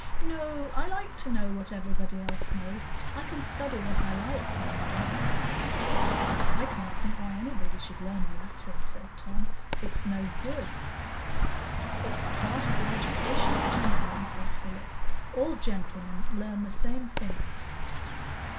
"No; I like to know what everybody else knows. I can study what I like by and by." "I can't think why anybody should learn Latin," said Tom. "It's no good." "It's part of the education of a gentleman," said Philip. "All gentlemen learn the same things."